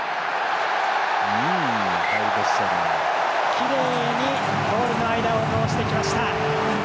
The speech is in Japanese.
きれいにポールの間を通してきました。